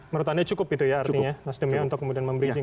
menurut anda cukup itu ya artinya nasdem ya untuk kemudian memberi izin